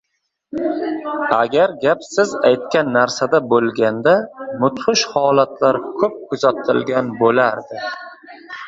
Agar gap siz aytgan narsada bo‘lganda, mudhish holatlar ko'p kuzatilgan bo'lardi.